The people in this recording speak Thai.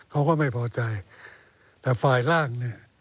เขาก็ไม่พอใจแต่ฝ่ายร่างเนี่ย